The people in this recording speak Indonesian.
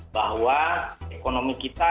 bahwa ekonomi dan kesehatan